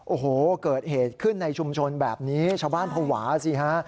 โอ้โหเกิดเหตุขึ้นในชุมชนแบบนี้ชาวบ้านภาวะสิฮะ